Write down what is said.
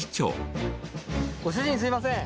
ご主人すみません。